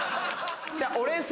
俺さ。